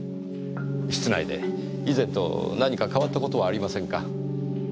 室内で以前と何か変わった事はありませんか？